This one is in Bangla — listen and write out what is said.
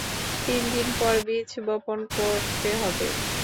তিন দিন পর বীজ বপন করতে হবে।